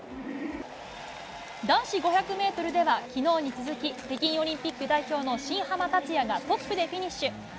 男子５００ｍでは、昨日に続き北京オリンピック代表の新濱立也がトップでフィニッシュ。